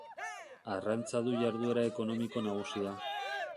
Arrantza du jarduera ekonomiko nagusia.